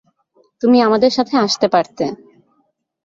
তুমি আমাদের সাথে আসতে পারতে!